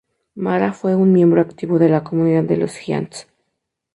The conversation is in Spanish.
Mara fue un miembro activo de la comunidad de los Giants.